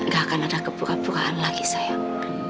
gak akan ada kepura puraan lagi sayang